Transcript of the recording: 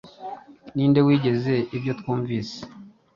Ni nde wizeye ibyo twumvise?